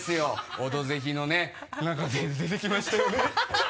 「オドぜひ」のね中で出てきましたよね？